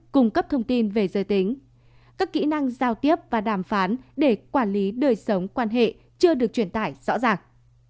cung cấp thông tin về giới tính các kỹ năng giao tiếp và đàm phán để quản lý đời sống quan hệ chưa được truyền tải rõ ràng